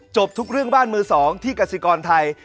จบทุกเรื่องบ้านมือ๒ที่กสิกรไทย